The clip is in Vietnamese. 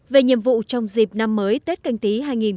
về nhiệm vụ trong dịp năm mới tết canh tí hai nghìn hai mươi